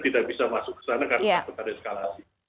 tidak bisa masuk ke sana karena ada skala